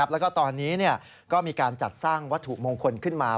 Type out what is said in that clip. แล้วก็ตอนนี้ก็มีการจัดสร้างวัตถุมงคลขึ้นมา